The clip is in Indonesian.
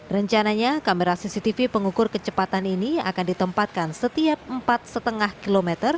rencananya kamera cctv pengukur kecepatan ini akan ditempatkan setiap empat lima km